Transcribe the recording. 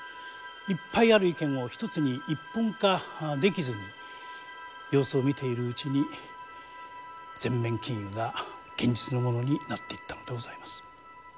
いっぱいある意見を一本化できずに様子を見ているうちに全面禁輸が現実のものになっていったのでございます。